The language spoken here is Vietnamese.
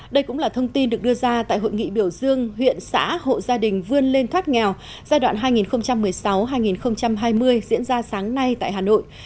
đây cũng là thông tin được đưa ra tại hội nghị biểu dương huyện xã hộ gia đình vươn lên thoát nghèo giai đoạn hai nghìn một mươi sáu hai nghìn hai mươi diễn ra sáng nay tại hà nội